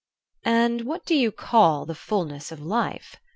"And what do you call the fulness of life?"